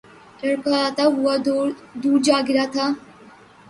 لڑھکتا ہوا دور جا گرا